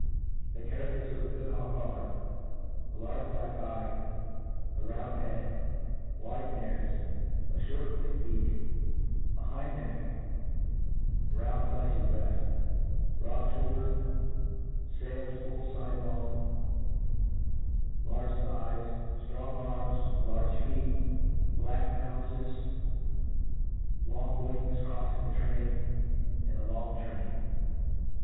The charafters of a good hawk are; a large black eye, a round head,.wide nares, a fliort thick beak, a high neck, a round flefhy breaft, broad lhouldercd, lails full fide long, large thighs, (Irong arms, large feet, black pounces, long ^ngs croifing the train^ 9nd a long train.